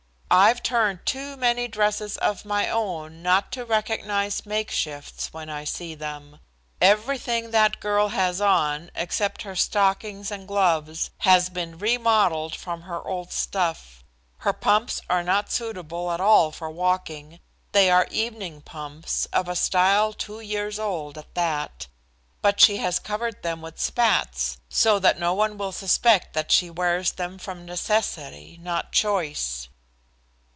"I've turned too many dresses of my own not to recognize makeshifts when I see them. Everything that girl has on except her stockings and gloves has been remodelled from her old stuff. Her pumps are not suitable at all for walking; they are evening pumps, of a style two years old at that. But she has covered them with spats, so that no one will suspect that she wears them from necessity, not choice."